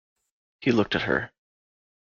He looked at her.